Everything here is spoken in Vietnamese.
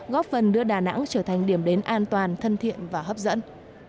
góp phần đưa đà nẵng trở thành điểm đến an toàn thân thiện và hấp dẫn